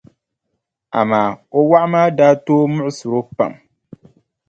Amaa o wɔɣu maa daa tooi muɣisiri o pam.